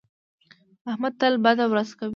احمد تل بده ورځ کوي.